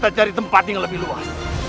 anda bisa menemukan